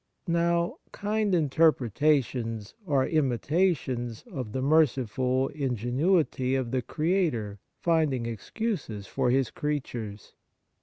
Now, kind inter pretations are imitations of the merciful ingenuity of the Creator finding excuses for His creatures.